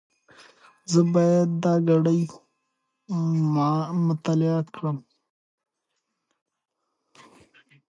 زه باید دا ګړې مطالعه کړم.